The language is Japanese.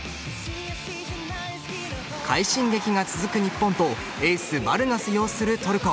快進撃が続く日本とエース・バルガス擁するトルコ。